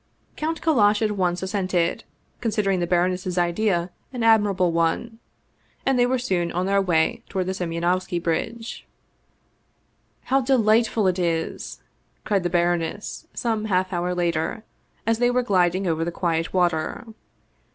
Count Kallash at once consented, considering the bar oness's idea an admirable one, and they were soon on their way toward the Simeonovski bridge. "How delightful it is!" cried the baroness, some half hour later, as they were gliding over the quiet water.